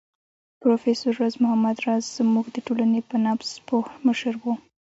پروفېسر راز محمد راز زموږ د ټولنې په نبض پوه مشر و